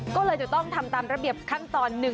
ก็เลยจะต้องทำตามระเบียบขั้นตอน๑